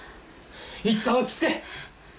いったん落ち着け！